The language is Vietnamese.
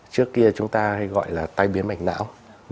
trước kia chúng ta gọi là tay biến mạch não